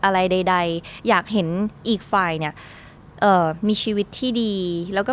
อะไรใดใดอยากเห็นอีกฝ่ายเนี่ยเอ่อมีชีวิตที่ดีแล้วก็